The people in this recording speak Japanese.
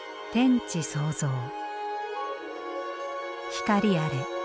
光あれ。